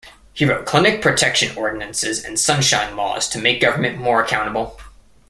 He wrote clinic protection ordinances and sunshine laws to make government more accountable.